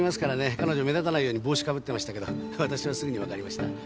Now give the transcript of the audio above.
彼女目立たないように帽子かぶってましたけど私はすぐにわかりました。